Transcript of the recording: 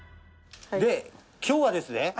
で今日はですね